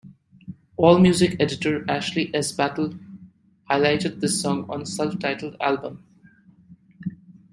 Allmusic editor Ashely S. Battel highlighted this song on self-titled album.